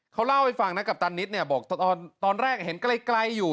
เขาเล่าให้ฟังนะกัปตันนิดเนี่ยบอกตอนแรกเห็นไกลอยู่